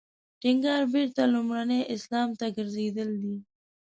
ټینګار بېرته لومړني اسلام ته ګرځېدل دی.